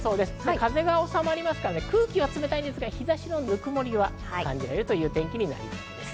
風が収まりますから、空気は冷たいですが日差しのぬくもりは感じられるという天気になりそうです。